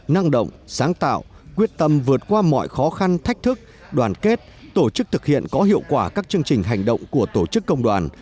năng động sáng tạo quyết tâm vượt qua mọi khó khăn thách thức đoàn kết tổ chức thực hiện có hiệu quả các chương trình hành động của tổ chức công đoàn